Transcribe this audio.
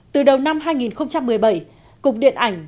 từ đầu năm hai nghìn một mươi bảy cục điện ảnh